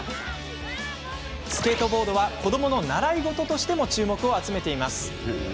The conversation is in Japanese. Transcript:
スケートボードは子どもの習い事としても注目を集めています。